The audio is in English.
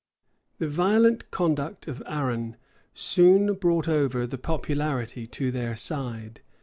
The violent conduct of Arran soon brought over the popularity to their side.